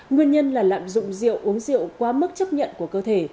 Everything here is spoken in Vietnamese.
nguyên nhân là lạm dụng rượu uống rượu quá mức chấp nhận của cơ thể